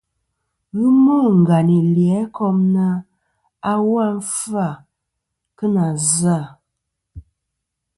Ghɨ mô ngàyn î lì Itaŋikom na, "awu a nɨn fɨ-à kɨ nà zɨ-à.”.